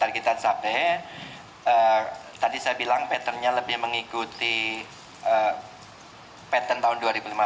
target kita capek tadi saya bilang patternnya lebih mengikuti pattern tahun dua ribu lima belas